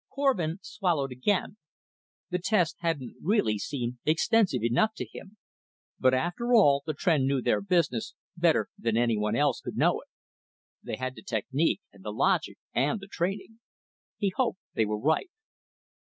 Korvin swallowed again. The test hadn't really seemed extensive enough to him. But, after all, the Tr'en knew their business, better than anyone else could know it. They had the technique and the logic and the training. He hoped they were right.